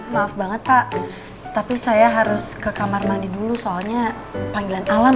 maaf banget pak tapi saya harus ke kamar mandi dulu soalnya panggilan alam